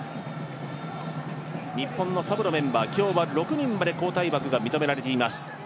日本のサブメンバー、今日は６人まで交代枠が認められています。